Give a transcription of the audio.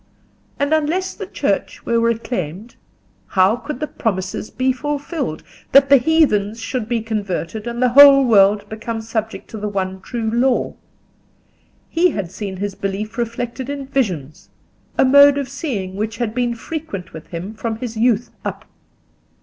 And unless the Church were reclaimed, how could the promises be fulfilled, that the heathens should be converted and the whole world become subject to the one true law? He had seen his belief reflected in visions—a mode of seeing which had been frequent with him from his youth up.